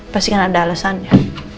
pasti kan ada alasannya